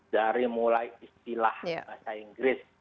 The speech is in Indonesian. dari mulai istilah bahasa inggris